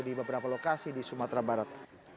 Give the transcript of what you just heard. di beberapa lokasi di sumatera barat